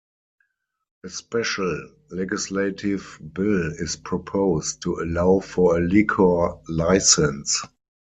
A special legislative bill is proposed to allow for a liquor license.